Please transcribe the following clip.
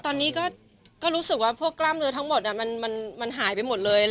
ตอนนี้ก็รู้สึกว่าพวกกล้ามเนื้อทั้งหมดมันหายไปหมดเลย